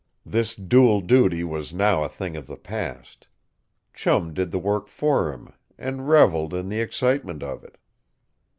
This dual duty was now a thing of the past. Chum did the work for him, and reveled in the excitement of it.